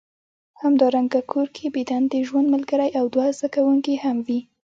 همدارنګه کور کې بې دندې ژوند ملګری او دوه زده کوونکي هم وي